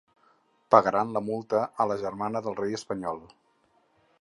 Pagaran la multa a la germana del rei espanyol.